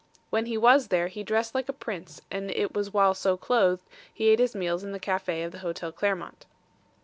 When he was there, he dressed like a prince and it was while so clothed he ate his meals in the cafe of the Hotel Clermont.